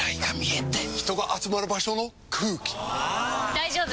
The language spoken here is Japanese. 大丈夫！